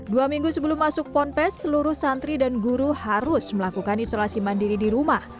dua minggu sebelum masuk ponpes seluruh santri dan guru harus melakukan isolasi mandiri di rumah